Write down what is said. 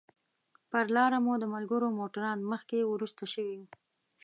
پر لاره مو د ملګرو موټران مخکې وروسته شوي.